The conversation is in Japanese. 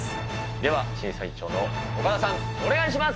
では、審査委員長の岡田さん、お願いします。